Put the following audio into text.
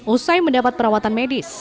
usai mendapat perawatan medis